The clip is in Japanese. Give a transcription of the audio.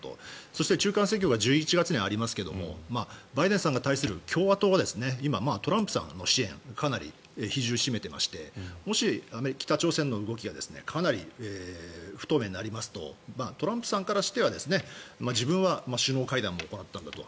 そして、中間選挙が１１月にありますがバイデンさんが対する共和党は今、トランプさんの支援をかなり比重を占めていましてもし、北朝鮮の動きがかなり不透明になりますとトランプさんからしては自分は首脳会談も行ったんだと。